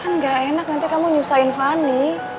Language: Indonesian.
kan gak enak nanti kamu nyusahin fanny